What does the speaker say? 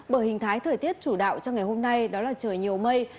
bởi hình thái thời tiết chủ đạo trong ngày hôm nay đó là trời nhiều mây